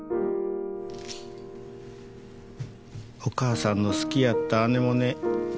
お母さんの好きやったアネモネ